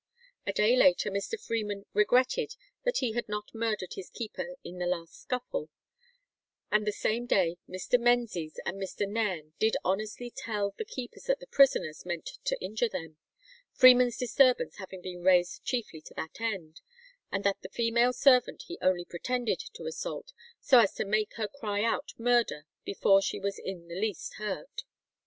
A day later Mr. Freeman "regretted that he had not murdered his keeper in the last scuffle;" and the same day Mr. Menzies and Mr. Nairn did honestly tell the keepers that the prisoners meant to injure them, Freeman's disturbance having been raised "chiefly to that end, and that the female servant he only pretended to assault, so as to make her cry out murder before she was in the least hurt."